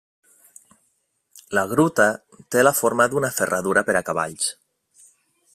La gruta té la forma d'una ferradura per a cavalls.